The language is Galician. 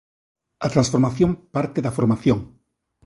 A transformación parte da formación.